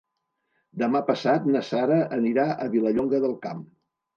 Demà passat na Sara anirà a Vilallonga del Camp.